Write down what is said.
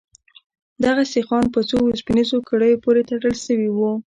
دغه سيخان په څو وسپنيزو کړيو پورې تړل سوي وو.